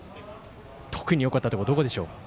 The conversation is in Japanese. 特によかったところどこでしょうか？